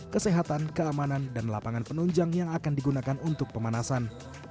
kesehatan keamanan dan lapangan penunjang yang akan digunakan untuk pemanasan